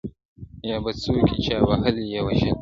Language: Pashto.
• يا به څوك وي چا وهلي يا وژلي -